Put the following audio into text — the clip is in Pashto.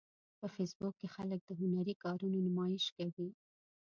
په فېسبوک کې خلک د هنري کارونو نمایش کوي